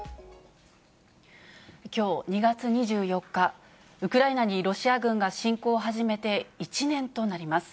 きょう２月２４日、ウクライナにロシア軍が侵攻を始めて１年となります。